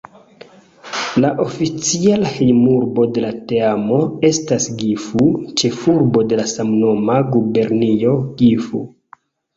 La oficiala hejmurbo de la teamo estas Gifu, ĉefurbo de la samnoma gubernio Gifu.